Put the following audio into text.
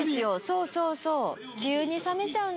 そうそうそう。